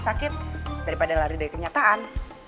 sakit daripada lari dari kenyataan